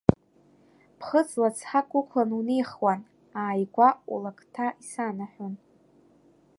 Ԥхыӡла, цҳак уқәлан унеихуан ааигәа, улақҭа исанаҳәон…